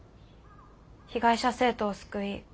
被害者生徒を救い